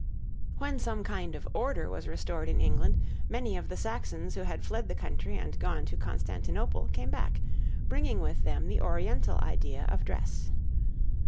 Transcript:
] When some kind of order was restored in England, many of the Saxons who had fled the country and gone to Constantinople came back, bringing with them the Oriental idea of dress.